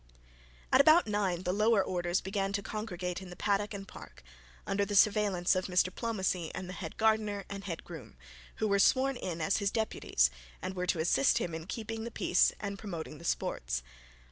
At about nine the lower orders began to congregate in the paddock and park, under the surveillance of Mr Plomacy and the head gardener and head groom, who were sworn in as his deputies, and were to assist him in keeping the peace and promoting the sports.